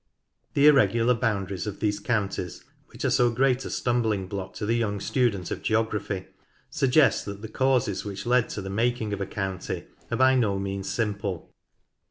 The irregular boundaries of these counties, which are so great a stumbling block to the young student of geography, suggest that the causes which led to the making of a county are by no means simple.